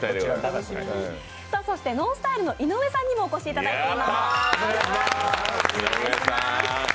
ＮＯＮＳＴＹＬＥの井上さんにもお越しいただいています。